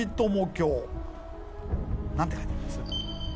何て書いてあります？